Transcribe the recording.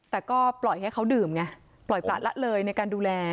แต่ก็ปล่อยให้เขาดื่มไงปล่อยประละเลยในการดูแล